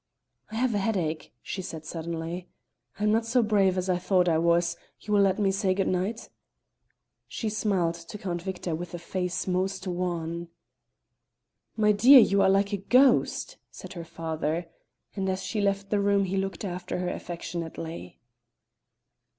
"I have a headache," she said suddenly. "I am not so brave as I thought I was; you will let me say good night?" She smiled to Count Victor with a face most wan. "My dear, you are like a ghost," said her father, and as she left the room he looked after her affectionately.